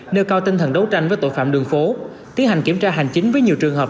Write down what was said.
nêu cao tinh thần đấu tranh với tội phạm đường phố tiến hành kiểm tra hành chính với nhiều trường hợp